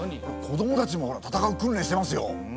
子どもたちも戦う訓練してますよ。